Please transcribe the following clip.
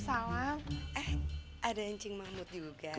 waalaikumsalam eh ada yang cing mahmud juga